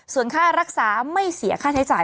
ส่วนค่ารักษาไม่เสียค่าใช้จ่าย